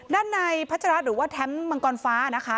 ด้านในพัชรัฐหรือว่าแท้มังกรฟ้านะคะ